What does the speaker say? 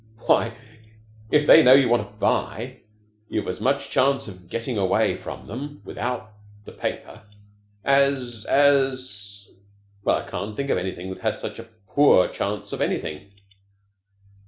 "Why, if they know you want to buy, you've as much chance of getting away from them without the paper as as well, I can't think of anything that has such a poor chance of anything.